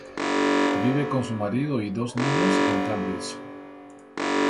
Vive con su marido y dos niños en Cambridge.